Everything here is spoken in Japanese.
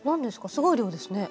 すごい量ですね。